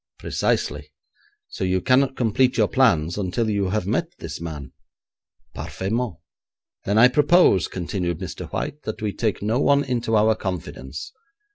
'Precisely. So you cannot complete your plans until you have met this man?' 'Parfaitement.' 'Then I propose,' continued Mr. White, 'that we take no one into our confidence.